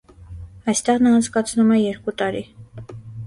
Այստեղ նա անցկացնում է երկու տարի։